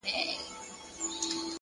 د وخت درناوی د ژوند درناوی دی